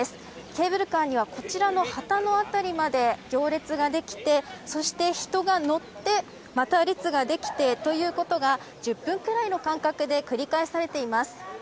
ケーブルカーにはこちらの旗の辺りまで行列ができて、そして人が乗ってまた列ができて、ということが１０分ぐらいの間隔で繰り返されています。